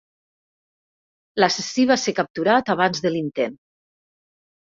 L'assassí va ser capturat abans de l'intent.